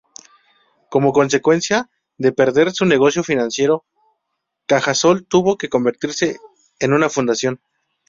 Como consecuencia de perder su negocio financiero, Cajasol tuvo que convertirse en una fundación.